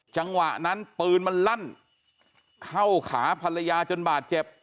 จังหวะนั้นปืนมันลั่นเข้าขาภรรยาจนบาดเจ็บ